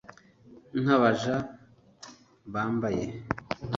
Nka baja bambaye